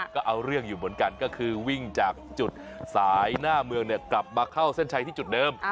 ก็เอาเรื่องอยู่เหมือนกันก็คือวิ่งจากจุดสายหน้าเมืองกลับมาเข้าเส้นชัยที่จุดเดิม